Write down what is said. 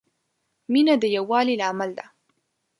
مینه د یووالي لامل ده.